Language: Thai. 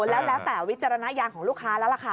แล้วแต่วิจารณญาณของลูกค้าแล้วล่ะค่ะ